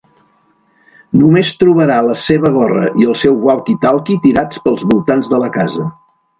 Només trobarà la seva gorra i el seu walkie-talkie tirats pels voltants de la casa.